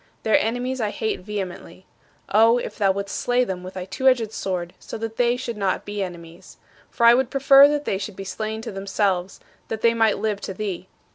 Their enemies I hate vehemently. Oh, if thou wouldst slay them with thy two edged sword, so that they should not be enemies! For I would prefer that they should be slain to themselves, that they might live to thee.